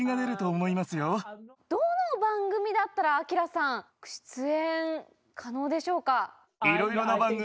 どの番組だったらアキラさん出演可能でしょうか？